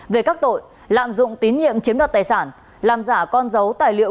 về các tội lạm dụng tín nhiệm chiếm đoạt tài sản làm giả con dấu tài liệu